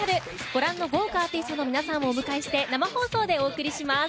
ご覧の豪華アーティストの皆さんをお迎えして生放送でお送りします。